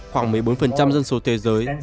khoảng một mươi bốn dân số thế giới